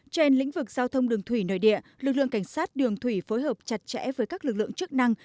trên lĩnh vực giao thông đường thủy nội địa lực lượng cảnh sát đường thủy phối hợp chặt chẽ với các lực lượng chức năng